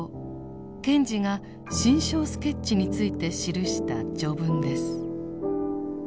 賢治が「心象スケッチ」について記した序文です。